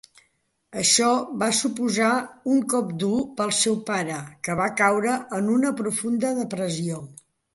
Això va suposar un cop dur per al seu pare, que va caure en una profunda depressió.